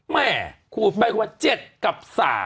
แหม่ขูดแป้งขวด๗กับ๓